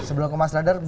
sebelum ke mas radar